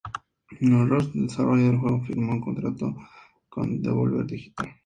Dodge Roll, el desarrollador del juego firmó un contrato con Devolver Digital.